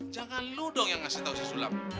jangan lu dong yang ngasih tahu si sulap